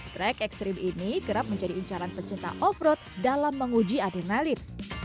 track ekstrim ini kerap menjadi incaran pecinta off road dalam menguji adrenalin